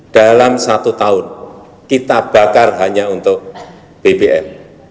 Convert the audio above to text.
dalam satu tahun kita bakar hanya untuk bbm